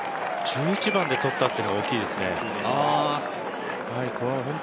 １１番で取ったというのが大きいですね。